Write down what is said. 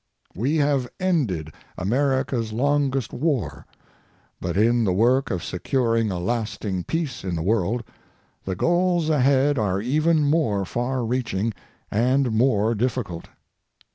We have ended America's longest war, but in the work of securing a lasting peace in the world, the goals ahead are even more far reaching and more difficult.